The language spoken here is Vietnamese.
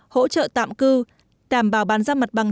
hỗ trợ tạm cư đảm bảo bàn giao mặt bằng